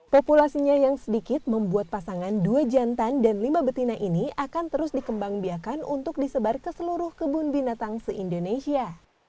populasinya yang sedikit membuat pasangan dua jantan dan lima betina ini akan terus dikembang biakan untuk disebar ke seluruh kebun binatang se indonesia